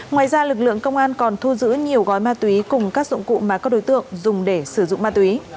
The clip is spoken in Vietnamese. ngoài ra lực lượng công an còn thu giữ nhiều gói ma túy cùng các dụng cụ mà các đối tượng dùng để sử dụng ma túy